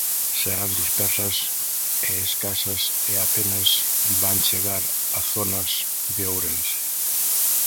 Serán dispersas e escasas e apenas van chegar a zonas de Ourense.